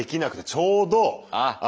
ちょうどあ！